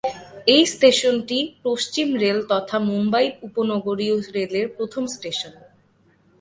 এই স্টেশনটি পশ্চিম রেল তথা মুম্বাই উপনগরীয় রেলের প্রথম স্টেশন।